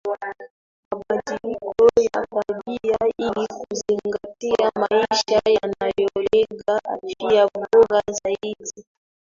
mabadiliko ya tabia ili kuzingatia maisha yanayolenga afya bora zaidi